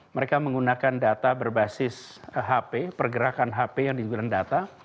mereka menggunakan data berbasis hp pergerakan hp yang digunakan data